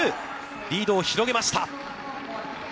リードを広げました。